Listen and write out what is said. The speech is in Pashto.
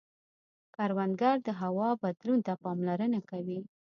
کروندګر د هوا بدلون ته پاملرنه کوي